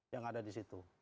yang ada disitu